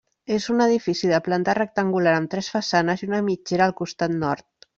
És un edifici de planta rectangular amb tres façanes i una mitgera al costat nord.